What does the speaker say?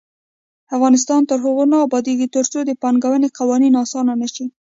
افغانستان تر هغو نه ابادیږي، ترڅو د پانګونې قوانین اسانه نشي.